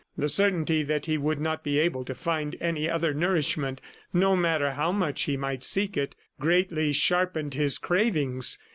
The certainty that he would not be able to find any other nourishment, no matter how much he might seek it, greatly sharpened his cravings.